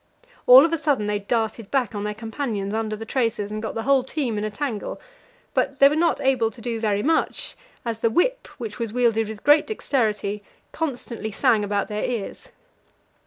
All of a sudden they darted back on their companions under the traces, and got the whole team in a tangle; but they were not able to do very much, as the whip, which was wielded with great dexterity, constantly sang about their ears.